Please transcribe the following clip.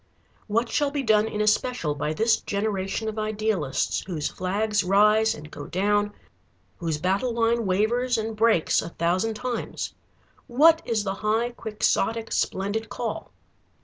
What shall be done in especial by this generation of idealists, whose flags rise and go down, whose battle line wavers and breaks a thousand times? What is the high quixotic splendid call?